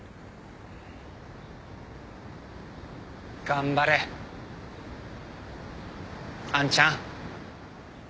頑張れ杏ちゃん。